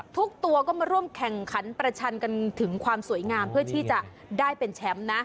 ทุกตัวก็มาร่วมแข่งขันประชันกันถึงความสวยงามเพื่อที่จะได้เป็นแชมป์นะ